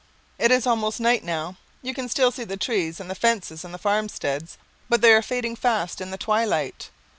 It is almost night now. You can still see the trees and the fences and the farmsteads, but they are fading fast in the twilight.